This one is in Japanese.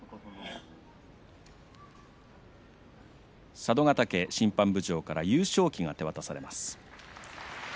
佐渡ヶ嶽審判部長から優勝旗が手渡されます。